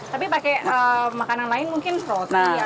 tapi pakai makanan lain mungkin protein atau karbohidrat